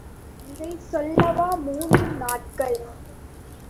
இதைச் சொல்லவா மூன்று நாட்கள்.